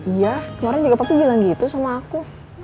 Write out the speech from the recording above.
iya kemarin juga papa bilang gitu sama aku